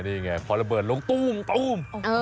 นี่ไงพอระเบิดลงตู้ม